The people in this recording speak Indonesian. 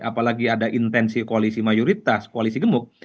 apalagi ada intensi koalisi mayoritas koalisi gemuk